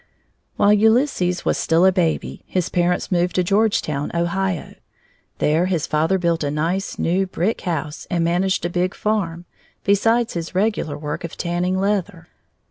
While Ulysses was still a baby, his parents moved to Georgetown, Ohio. There his father built a nice, new, brick house and managed a big farm, besides his regular work of tanning leather.